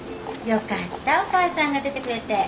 よかったお母さんが出てくれて。